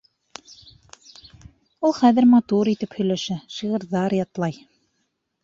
Ул хәҙер матур итеп һөйләшә, шиғырҙар ятлай.